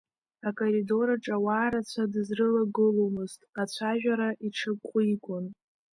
Акоридораҿ ауаа рацәа дызрылагыломызт, ацәажәара иҽаҟәигон.